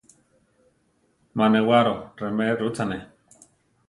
Má newaro remé rutzane.